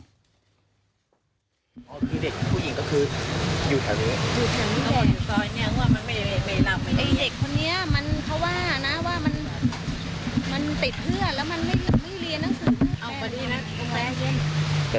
มันติดเพื่อนแล้วมันยังไม่เรียนหนังสือ